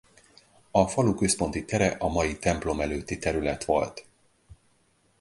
A falu központi tere a mai templom előtti terület volt.